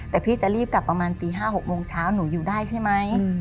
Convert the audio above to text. แต่พี่จะรีบกลับประมาณตี๕๖โมงเช้าหนูอยู่ได้ใช่ไหม